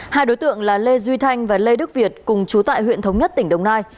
hai đối tượng là lê duy thanh và lê đức việt cùng chú tại huyện thống nhất tỉnh đồng nai